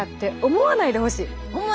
思わないでほしい。